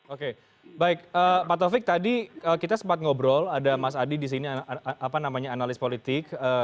oke baik pak taufik tadi kita sempat ngobrol ada mas adi di sini apa namanya analis politik